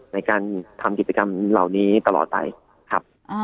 ในการทำกิจกรรมเหล่านี้ตลอดไปครับ